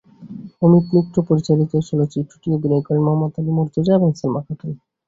অমিত মিত্র পরিচালিত চলচ্চিত্রটিতে অভিনয় করেন মোহাম্মদ আলী মুর্তুজা এবং সালমা খাতুন।